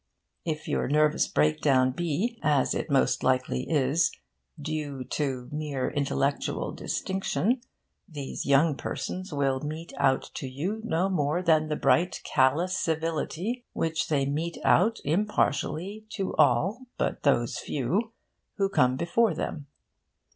If your nervous breakdown be (as it more likely is) due to merely intellectual distinction, these young persons will mete out to you no more than the bright callous civility which they mete out impartially to all (but those few) who come before them.